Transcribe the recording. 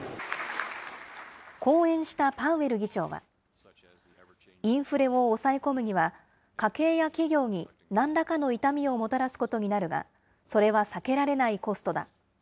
講演したパウエル議長は、インフレを抑え込むには、家計や企業になんらかの痛みをもたらすことになるが、それは避けられないコストだ。